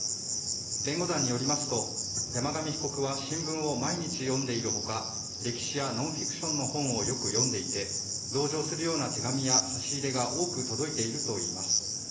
弁護団によりますと、山上被告は新聞を毎日読んでいるほか歴史やノンフィクションの本をよく読んでいて同情するような手紙や差し入れが多く届いているといいます。